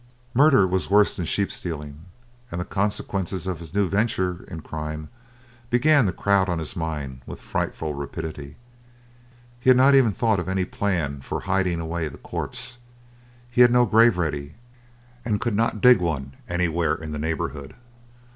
Murder was worse than sheep stealing, and the consequences of his new venture in crime began to crowd on his mind with frightful rapidity. He had not even thought of any plan for hiding away the corpse. He had no grave ready, and could not dig one anywhere in the neighbourhood.